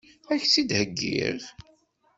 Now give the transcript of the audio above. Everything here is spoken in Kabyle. Ad k-tt-id-heggiɣ?